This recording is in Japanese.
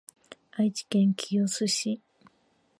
愛知県清須市